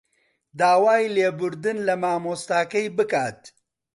داوای لێبوردن لە مامۆستاکەی بکات